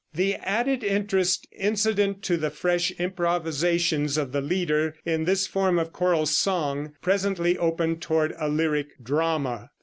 The added interest incident to the fresh improvisations of the leader in this form of choral song presently opened toward a lyric drama.